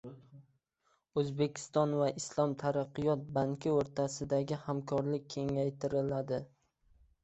O‘zbekiston va Islom taraqqiyot banki o‘rtasidagi hamkorlik kengaytiriladi